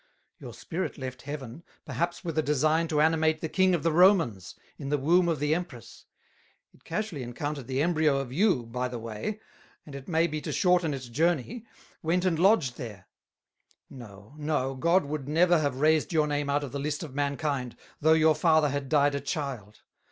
Your Spirit left Heaven, perhaps with a design to animate the King of the Romans, in the Womb of the Empress; it casually encountered the Embryo of you by the way, and it may be to shorten its journey, went and lodged there: No, no, God would never have razed your name out of the List of Mankind, though your Father had died a Child.